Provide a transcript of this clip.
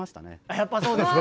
やっぱそうですか。